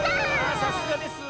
あさすがです。